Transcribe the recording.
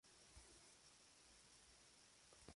Por lo tanto, es algo imprecisa al ser disparada en tierra.